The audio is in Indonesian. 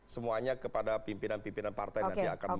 semuanya kepada pimpinan pimpinan partai yang nanti akan mengusung